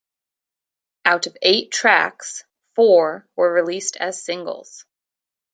Out of eight tracks, four were released as singles.